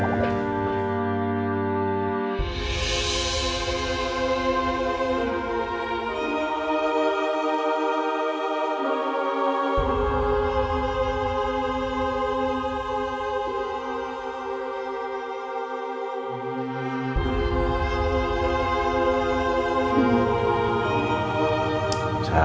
mereka masih siap